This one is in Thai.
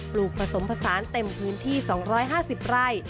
ลูกผสมผสานเต็มพื้นที่๒๕๐ไร่